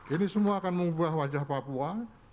ini semua akan mengubah wajah papua